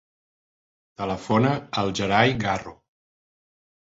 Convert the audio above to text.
Telefona al Gerai Garro.